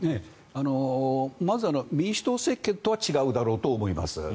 民主党政権とは違うだろうと思います。